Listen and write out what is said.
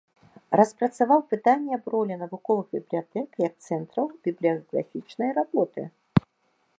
Распрацаваў пытанне аб ролі навуковых бібліятэк як цэнтраў бібліяграфічнай работы.